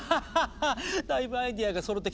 だいぶアイデアがそろってきたわね。